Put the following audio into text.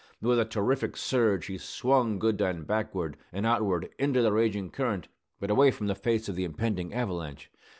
With a terrific surge he swung Goodine backward and outward into the raging current, but away from the face of the impending avalanche.